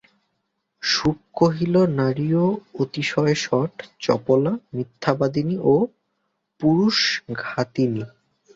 শুক কহিল, নারীও অতিশয় শঠ, চপলা, মিথ্যাবাদিনী ও পুরুষঘাতিনী।